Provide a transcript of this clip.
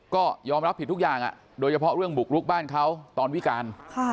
ก็ยอมรับผิดทุกอย่างโดยเฉพาะเรื่องบุกลุกบ้านเขาตอนวิการ